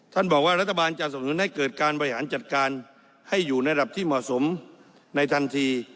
บอกว่ารัฐบาลจะสำนุนให้เกิดการบริหารจัดการให้อยู่ในระดับที่เหมาะสมในทันที